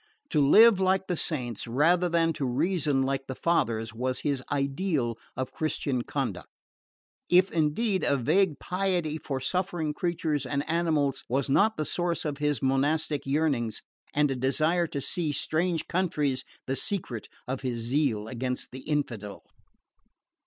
To live like the saints, rather than to reason like the fathers, was his ideal of Christian conduct; if indeed a vague pity for suffering creatures and animals was not the source of his monastic yearnings, and a desire to see strange countries the secret of his zeal against the infidel.